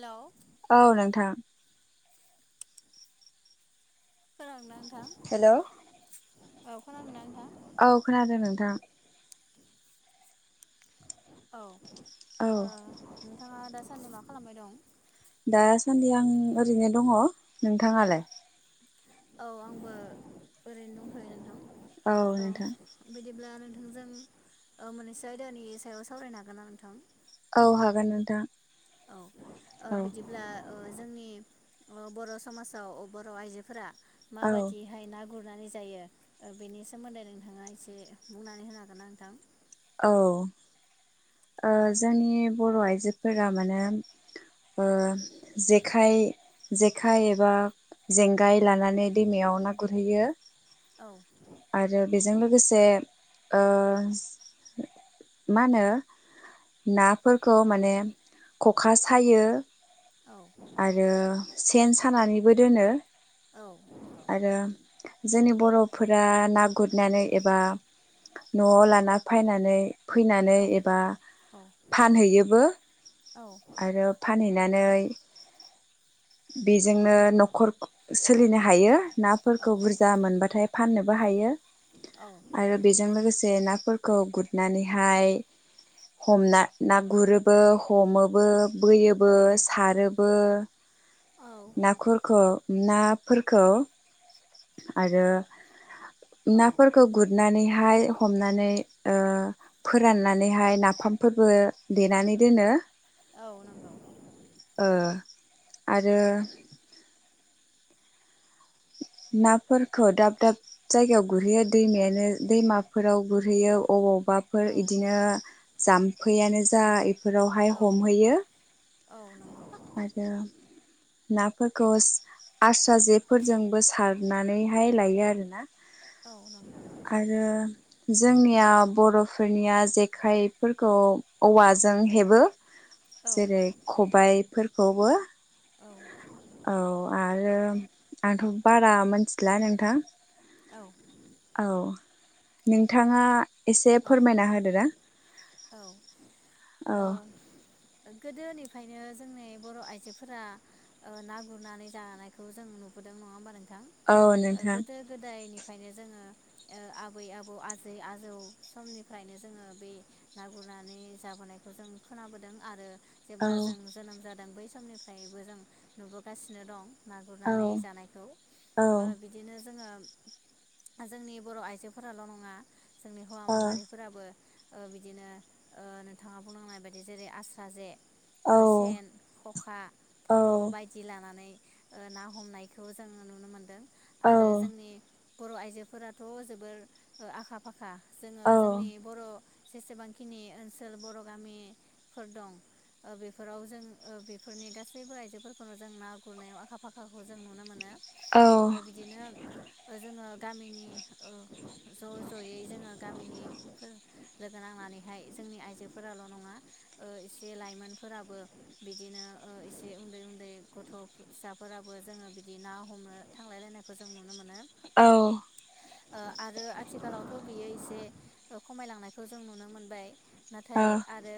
Hello औ नोंथां। खोनादोंना नोंथां हेल', औ खोनादोंना नोंथां औ खोनादों नोंथां। औ औ ओ नोंथाङा दासानदै मा खालामबाय दं? सान्दि आं ओरैनो दङ। नोंथाङालाय? औ आंबो ओरैनो दंथ'यो नोंथां। औ बिदिब्ला नों थांजों ओ मोननैसो आयदानि सायाव सावरायनो हागोनना नोंथां? औ हागोन नोंथां। औ, ओ औ बिदिब्ला ओ जोंनि अ बर' समाजाव बर' आइजोफोरा मा औ बायदिहाय ना गुरनानै जायो ओ बेनि सोमोन्दै नोंथाङा एसे बुंनानै होनो हागोनना नोंथां? औ। ओ औ जोंनि बर' आइजोफोरा माने ओ जेखाय जेखाय एबा जेंगाय लानानै दैमायाव ना गुरहैयो। औ बेजों लोगोसे ओ मा होनो नाफोरखौ माने खखा सायो औ आरो से सेन सानानैबो दोनो औ नंगौ आरो जोंनि बर'फोरा ना गुरनानै एबा न'आव लाना फायनानै फैनानै औ एबा औ फानहैयो बो औ आरो फानहैनानै बेजोंनो न'खर सोलिनो हायो। नाफोरखौ औ बुरजा मोनबाथाय फाननोबो हायो। औ आरो नंगौ बेजों लोगोसे नाफोर खौ गुदनानैहाय हमना ना गुरोबो हमोबो बोयोबो औ सारो बो औ नाखुरखौ नाफोरखौ आरो औ नाफोरखौ गुदनानै हाय हमनानै ओ फोराननानैहाय नाफामफोरबो देनानै दोनो। औ नांगौ ओ आरो नाफोरखौ दाब दाब जायगायाव गुरहैयो दैमायानो दैमाफोराव गुरहैयो अबाव बाफोर औ इदिनो जाम्फैयानो जा बेफोरावहाय औ हमहैयो। औ नंगौ आरो नाफोरखौ आस्रा जेफोरजोंबो सारनानैहाय लायो आरोना। औ नंगौ आरो जोंनिया बर'फोरनिया जेखाइफोरखौ औवाजों हेबो। औ जेरै खबाइफोरखौबो औ औ आरो आंथ बारा मिथिला नोंथां। औ औ नोंथाङा एसे फोरमायना होदो ना? औ गोदोनिफ्रायनो जोंनि बर आइजोफोरा ओ ना गुरनानै जानायखौ जों नुबोदों नङा होमबा नों थां औ ओ नोंथां गोदो गोदायनि। बेखायनो जोङो ओ आबै आबौ आजै आजौ समनिफ्रायनो जोङो बे ना गुरनानै जाबोनायखौ जों खोनाबोदों आरो औ जेब्ला जों जोनोम जादों बै समनिफ्रायबो जों नुबोगासिनो दं। ना औ गुरनानै जानायखौ। औ ओ बिदिनो जोङो जोंनि बर आइजोफोराल नङा जोंनि हौवा माहारिफोराबो। ओ बिदिनो ओ नोंथाङा बुंलांनाय बायदि जेरै आस्रा जे। ओ सेन खखा औ फल बायदि लानानै। ओ ना हमनायखौ जोङो नुनो मोनबोदों। आरो औ जोंनि। बर आइजोफोराथ जोबोर आखा फाखा। जोङो औ जोंनि बर जेसेबांखिनि ओनसोल बर गामिफोर दं ओ बेफोराव जों ओ बेफोरनि गासैबो आइजोफोरखौनो जों ना गुरनायाव आखा फाखाखौ जों नुनो मोनो। औ ओ बिदिनो जोङो गामिनि ओ ज जयै जोङो गामिनिफोर। लोगो नांनानैहाय जोंनि आइजोफोराल नङा एसे लाइमोनफोराबो बिदिनो एसे उन्दै उन्दै गथ फिसाफोराबो जोंङो बिदि ना हमनो थांलायलायनायखौ जों नुनो मोनो। औ ओ आरो आथिखालावथ' बियो एसे खमायलांनाय। खमायलांनायखौ जों नुनो मोनबाय। नाथाय आरो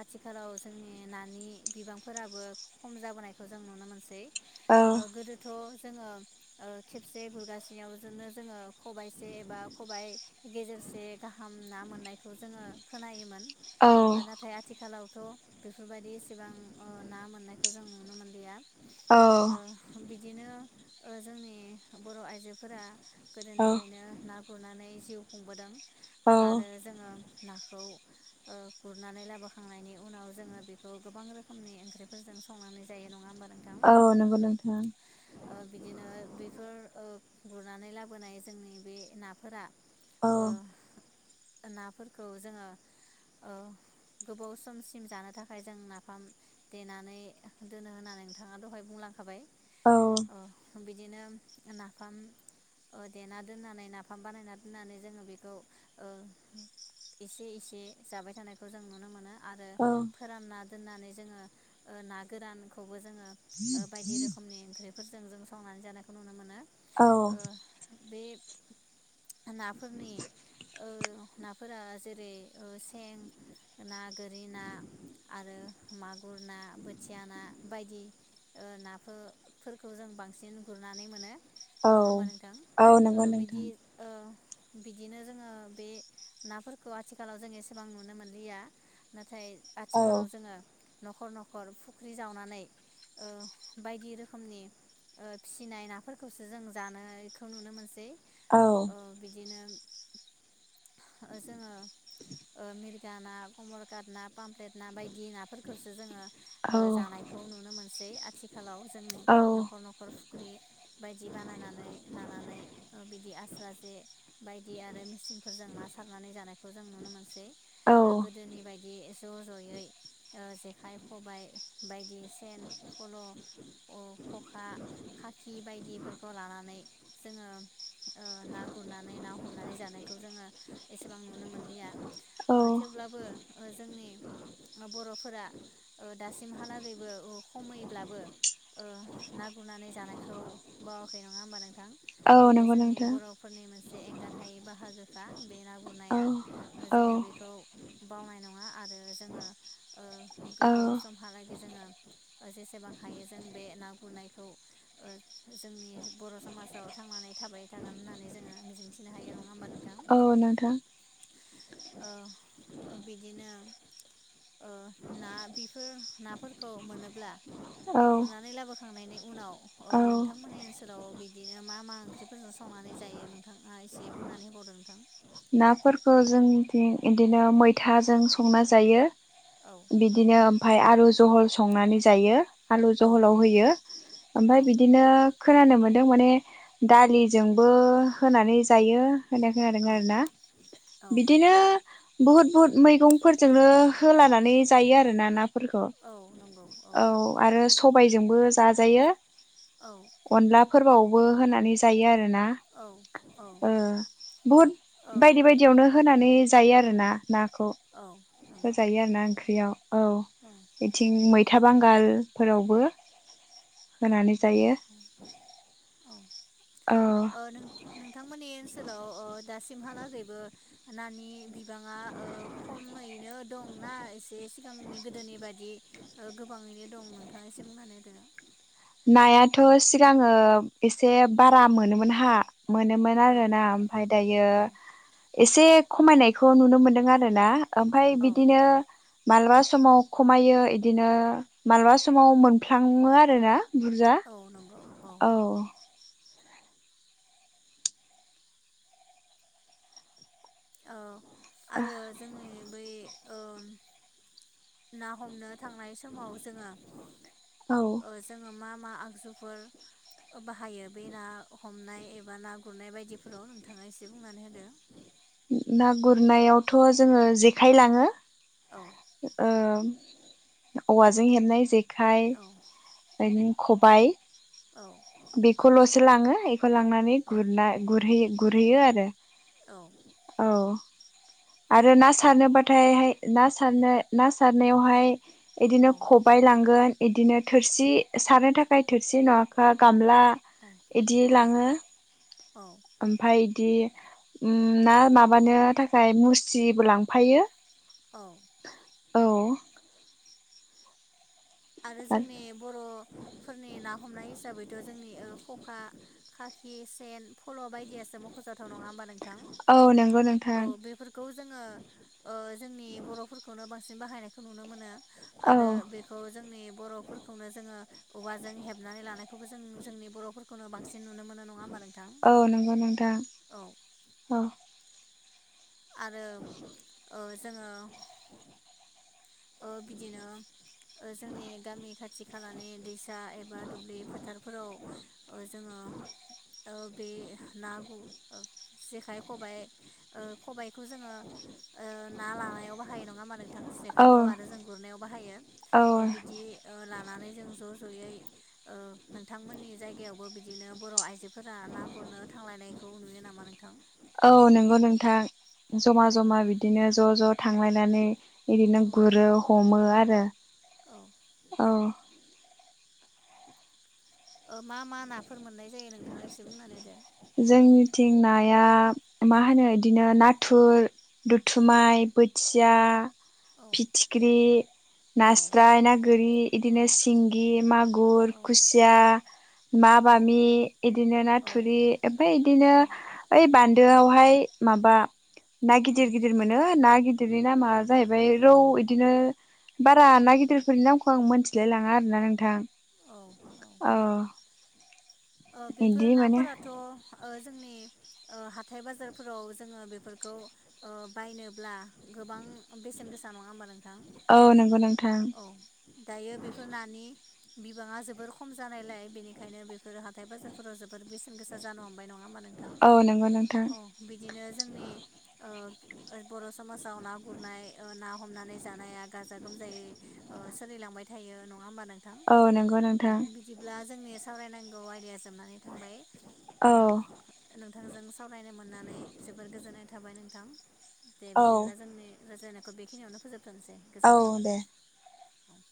आथिखालाव जोंनि नानि बिबांफोराबो खम जाबोनायखौ जों नुनो मोनसै। गोदोथ' जोङो ओ खेबसे गुरगा सेयावनो जोङो खबाइसे एबा खबाइ गेजेरसे गाहाम। ना मोननायखौ जोङो खोनायोमोन। ओ नाथाय आथिखालाव दाथ' बेफोरबायदि एसेबां ओ ना मोननायखौ जों नुनो मोनलिया। औ ओ बिदिनो। ओ जोंनि बर' आइजोफोरा औ गोदोनिफ्रायनो ना गुरनानै जिउ। खुंबोदों। औ आरो जोङो नाखौ ओ गुरनानै लाबोखांनायनि उनाव जोङो बेखौ गोबां रोखोमनि ओंख्रिफोरजों संनानै जायो नङा होमबा - नोंथां औ नंगौ नोंथां ओ बिदिनो बेफोर ओ गुरनानै लाबोनाय जोंनि बे नाफोरा औ। ओ नाफोरखौ जोङो ओ गोबाव समसिम जानो थाखाय जों नाफाम देनानै दोनो होननानै नोंथाङा दहाय बुंलांखाबाय औ। ओ बिदिनो नाफाम अ देना दोननानै नाफाम बानायना दोननानै जोङो बेखौ ओ एसे एसे जाबाय थानायखौ जों नुनो मोनो। आरो औ फोरानना दोननानै जोङो ओ ना गोरानखौ खौबो जोङो बायदि रोखोमनि ओंख्रिफोरजों जों संनानै जानायखौ नुनो मोनो। औ ओ बे [inaudible] नाफोरनि औ नाफोरा जेरै ओ सें ना गोरि ना आरो मागुर ना बोथिया ना बायदि ओ नाफो-फोरखौ जों बांसिन गुरनानै मोनो। औ नङा होमबा नोंथां औ ओ नंगौ बिदि नोंथां ओ बिदिनो जोङो बे नाफोरखौ आथिखालाव जों एसेबां नुनो मोनलिया नाथाय औ आथिखालाव जोङो नखर नखर फुख्रि जावनानै ओ बायदि रोखोमनि ओ फिसिनाय नाफोरखौसो जों जानायखौ नुनो मोनसै ओ औ बिदिनो जोङो ओ मिरगा ना कमलकात ना पामप्लेट ना बायदि नाफोरखौसो जोङो ओ जानायखौ नुनो मोनसै आथ खालाव जोंनि औ नखर नखर फुख्रि बायदि बानायनानै लानानै ओ बिदि आस्रा जे बायदि आरो मिसिं ना सारनानै जानायखौ जों नुनो मोनसै औ ओ गोदोनि बायदि ज' ज'यै ओ जेखाइ खबाइ बायदि सेन फल' अ खखा खाखि बायदि फोरखौ लानानै जोङो ओ ना गुरनानै ना हमनानै जानाय बेखौ जोङो एसेबां नुनो मोनलिया औ ओ थेवब्लाबो ओ जोंनि ओ बर'फोरा ओ दासिमहालागैबो ओ खमैब्लाबो ओ ना गुरनानै जानायखौ बावाखै नङा होमबा नोंथां। औ बेयो नंगौ जोंनि नोंथां बर'फोरनि मोनसे एं गारहायै बाह हागोखा बे ना औ गुरनाया ओ औ जोङो बेखौ बावनाय नङा आरो जोङो ओ औ गोबाव समहालागै जोङो जेसेबां हायो जों बे ना गुरनायखौ ओ जोंनि बर' समाजाव थांनानै थाबाय थागोन होननानै जोङो मिजिंथिनो हायो नङा होमबा नों औ नोंथां ओ बिदिनो ओ ना बेफोर नाफोरखौ मोनोब्ला औ गुरनानै लाबो थांनायनि उनाव ओ नोंथांमोननि ओनसोलाव बिदिनो मा मा ओंख्रिफोरजों संनानै जायो नोंथाङा एसे बुंनानै हर नोंथां नाफोरखौ जोंनिथिं इदिनो मैथाजों संना जायो। औ बिदिनो ओमफाय आलु जहल संनानै जायो। आलु औ जहलाव होयो औ ओमफाय बिदिनो खोनानो मोन्दों माने दालिजोंबो होनानै जायो। होनाय खोनादों औ आरो ना औ बिदिनो बुहुद बुहुत मैगंफोरजोंनो होलानानै जायो आरोना ना फोरखौ औ नंगौ औ आरो सं सबायजोंबो जाजायो। औ अनला फोरावबो होनानै जायो आरो। ना औ औ ओ बहुद औ बायदि बायदियावनो होनानै जायो आरोना। नाखौ औ नंगौ होजायो आरोना ओंख्रियाव। औ बेथिं मै था बांगालफोरावबो होनानै जायो औ ओ नोंथांमोननि ओनसोलाव ओ दासिमहालागै ओ नानि बि बिबाङा ओ खमैनो दंना एसे बे सिगांनि गोदोनि बायदि ओ गोबाङैनो दं नोंथाङा एसे बुंनानै होदो नायाथ' सिगाङो एसे बारा मोनोमोन हा मोनोमोन औ आरो ना ओमफ्राय दायो औ एसे खमायनायखौ नुनो मोनदों आरो ना ओमफ्राय औ बिदिनो मालाबा समाव खमायो इदिनो मालाबा समाव मोनफ्लाङो आरो ना बुरजा औ नंगौ औ औ। आरो जोनि बै ओ ना हमनो थांनाय समाव जोङो औ ओ जोङो मा मा आगजुफोर बाहायो बे ना हमनाय एबा ना गुरनाय बायदिफोराव नोंथाङा एसे बुंनानै होदो ना गुरनायावथ' जोङो जेखाइ लाङो औ ओ औवाजों हेबनाय जे खाय औ नि खबाय औ। खौल'सो लाङो खो लांनानै गुरना गुरहैयो गुरहैयो आरो। औ औ आरो ना सारनोबाथायहाय ना सारनो ना सारनायावहाय इदिनो औ खबाइ लांगोन इदिनो थोरसि सारनो थाखाय थोरसि नङाबा गामला औ इदि औ लाङो। औ ओमफ्राय इदि उम ना माबानो थाखाय मुस्रिबो लांफायो। औ औ। आरो जोंनि बर'फोरनि ना हमनाय हिसाबै जोंनि ओ खखा खाखि सेन फल' बायदियासो मख'जाथाव नङा होमबा नों औ नोंगौ नोंथां। जोङो ओ जोंनि बर'फोरखौनो बां सिन बाहायनायखौ नुनो मोनो। आरो औ बेखौ जोंनि बर'फोरखौनो जोङो औवाजों हेबनानै लानायखौबो जों-जोंनि बर'फोरखौनो बांसिन नुनो मो औ नोंगौ नोंथां औ औ ‌। आरो ओ जोङो ओ बिदिनो ओ जोंनि गामि खाथि खालानि दैसा एबा दुब्लि फोथारफोराव ओ जोङो ओ बे ना गु ओ जेखाइ खबाय ओ खबाय खौ जोङो ओ ना लानायाव बाहायो नङा ओमबा नोंथां? जेखाय औ खौ आरो जों गुरनायाव बाहायो औ ओ बिदि ओ लानानै जों ज' ज'यै ओ नोंथांमोननि जायगायावबो बिदिनो बर' आइजो फोरा ना गुरनो थांलायनायखौ नुयो नामा नोंथां? औ नंगौ नोंथां ज'मा औ ज'मा बिदिनो ज' ज' थांलायनानै बिदिनो औ गुरो हमो आरो। औ औ। ओ मा मा ना फोर मोननाय जायो नोंथाङा एसे बुंनानै होदो। थिं नाया मा होनो इदिनो नाथुर दुथुमाय बोथिया औ फिथिख्रि नास्राय ना गोरि औ इदिनो सिंगि मागुर औ खुसिया मा औ बामि इदिनो न औ थुरि ओमफ्राय इदिनो ओइ बान दोआवहाय माबा ना औ गिदिर गिदिर मोनो ना गिदि रनि नामा जाहैबाय रौ बिदिनो बारा ना गिदिरफोरनि नामखौ आं मोनथिलाय लाङा आरो ना नोंथां। औ औ। ओ बेफोर इदि माने नाफोराथ' ओ जोंनि ओ हाथाइ बाजारफोराव जोङो बेफोरखौ ओ बायनोब्ला गोबां बेसेन गोसा नङा होनबा नों थां औ नंगौ नोंथां औ दायो बेफोर नानि बिबाङा जोबोर खम जानायलाय बेनिखायनो बे फोर हाथाय बाजारफोराव जो बोर बेसेन गोसा जानो हमबाय नङा होमबा नोंथां? औ नंगौ नोंथां अ बिदिनो जोंनि ओ ओ बर समाजाव ना गुरनाय ओ ना हमनानै जानाया गाजा गोमजायै ओ सोलिलांबाय थायो नङा होमबा नों औ नंगौ नोंथां जोंनि सावरायनांगौ गौ आयदाया जोब औ जों सावरायनो मोननानै जोबोर गोजोननाय थाबाय नोंथां दे औ बिदिब्ला जोंनि रायज्लायनाय बेखिनियावनो फोजोब थनोसै औ गोजोन्थों दे औ